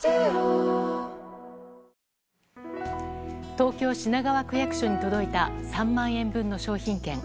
東京・品川区役所に届いた３万円分の商品券。